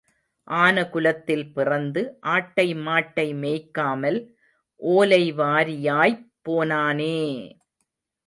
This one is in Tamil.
ஆன குலத்தில் பிறந்து ஆட்டை மாட்டை மேய்க்காமல் ஓலைவாரியாய்ப் போனானே!